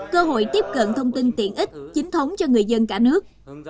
cơ hội tiếp cận thông tin tiện ích chính thống cho người dân cả nước